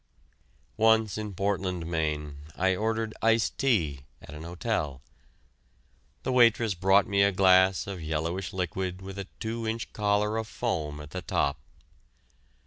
Once in Portland, Maine, I ordered iced tea at an hotel. The waitress brought me a glass of yellowish liquid with a two inch collar of foam at the top.